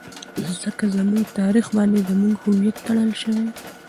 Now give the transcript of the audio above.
ځکه زموږ تاريخ باندې زموږ هويت ټړل شوى.